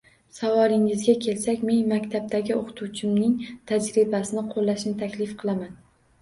Savolingizga kelsak, men maktabdagi o`qituvchimning tajribasini qo`llashni taklif qilaman